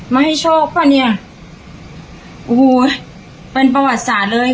มาให้โชคป่ะเนี่ยโอ้โหเป็นประวัติศาสตร์เลย